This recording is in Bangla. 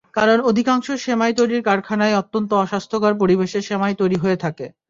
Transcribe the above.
কারণ অধিকাংশ সেমাই তৈরির কারখানায় অত্যন্ত অস্বাস্থ্যকর পরিবেশে সেমাই তৈরি হয়ে থাকে।